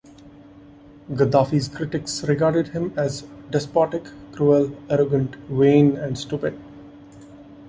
Gaddafi's critics regarded him as "despotic, cruel, arrogant, vain and stupid".